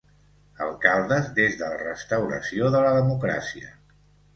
Alcaldes des de la restauració de la democràcia.